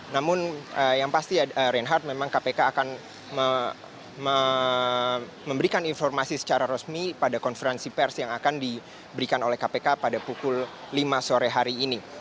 namun yang pasti reinhardt memang kpk akan memberikan informasi secara resmi pada konferensi pers yang akan diberikan oleh kpk pada pukul lima sore hari ini